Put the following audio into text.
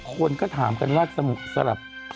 ควรก็ถามกันลักษณ์ศาลัยศาสตร์